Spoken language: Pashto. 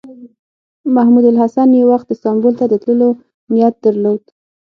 محمود الحسن یو وخت استانبول ته د تللو نیت درلود.